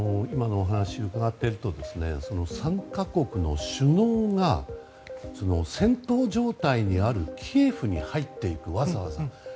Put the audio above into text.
今のお話を伺っていると３か国の首脳が戦闘状態にあるキエフに入っていく、わざわざ。